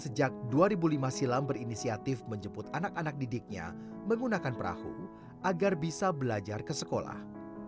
sejak dua ribu lima silam berinisiatif menjemput anak anak didiknya menggunakan perahu agar bisa belajar ke sekolah